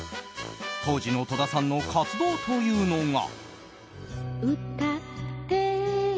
当時の戸田さんの活動というのが。